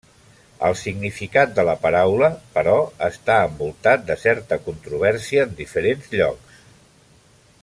El significat de la paraula, però, està envoltat de certa controvèrsia en diferents llocs.